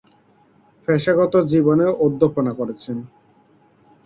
পেশাগত জীবনে অধ্যাপনা করেছেন।